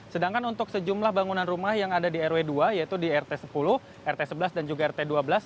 sedangkan untuk sejumlah bangunan rumah yang ada di rw dua yaitu di rt sepuluh rt sebelas dan juga rt dua belas